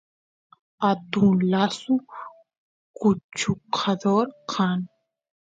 atun lasu kuchukador kan